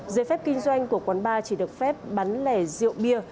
dế phép kinh doanh của quán bar chỉ được phép bắn lẻ rượu bia